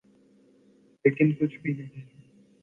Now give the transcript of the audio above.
لیکن کچھ بھی نہیں۔